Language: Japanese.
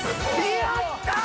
やった！